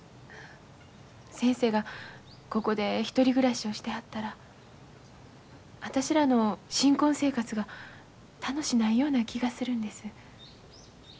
先生がここで１人暮らしをしてはったら私らの新婚生活が楽しないような気がするんです。